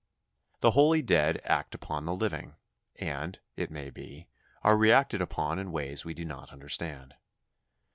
The holy dead act upon the living, and, it may be, are reacted upon in ways we do not understand.